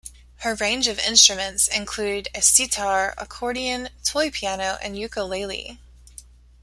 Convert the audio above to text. Her range of instruments include a sitar, accordion, toy piano, and ukulele.